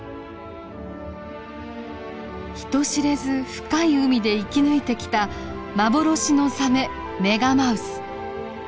人知れず深い海で生き抜いてきた幻のサメメガマウス。